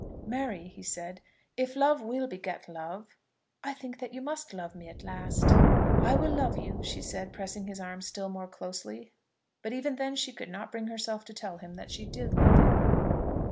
"Mary," he said, "if love will beget love, I think that you must love me at last." "I will love you," she said, pressing his arm still more closely. But even then she could not bring herself to tell him that she did love him.